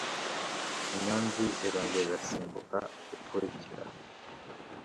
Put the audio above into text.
Inyombyi irongera irasimbuka ikurikira